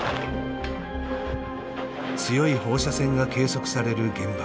強い放射線が計測される現場。